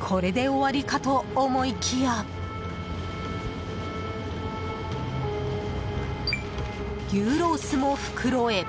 これで終わりかと思いきや牛ロースも袋へ。